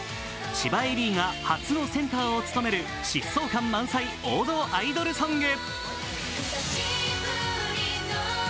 千葉恵里が初のセンターを務める疾走感満載、王道アイドルソング。